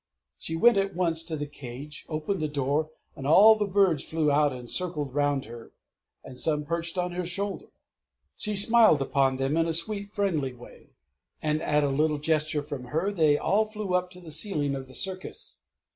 She went at once to the Cage, opened the door, and all the Birds flew out and circled round her, and some perched on her shoulder. She smiled upon them in a sweet, friendly way, and at a little gesture from her, they all flew up to the ceiling of the Circus.